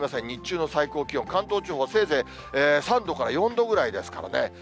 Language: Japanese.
日中の最高気温、関東地方、せいぜい３度から４度ぐらいですからね。